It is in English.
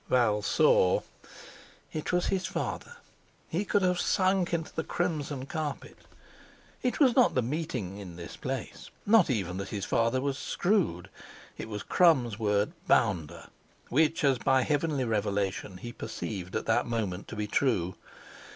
Val saw. It was his father! He could have sunk into the crimson carpet. It was not the meeting in this place, not even that his father was "screwed". it was Crum's word "bounder," which, as by heavenly revelation, he perceived at that moment to be true.